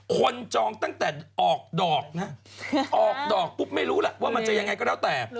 จองตั้งแต่ออกดอกนะออกดอกปุ๊บไม่รู้ล่ะว่ามันจะยังไงก็แล้วแต่